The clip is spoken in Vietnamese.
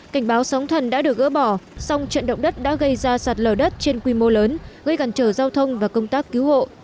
cảnh báo sóng thần đã được gỡ bỏ song trận động đất đã gây ra sạt lở đất trên quy mô lớn gây cản trở giao thông và công tác cứu hộ